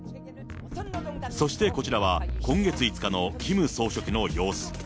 そして、こちらは今月５日のキム総書記の様子。